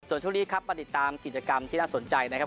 ส่วนช่วงนี้ครับมาติดตามกิจกรรมที่น่าสนใจนะครับ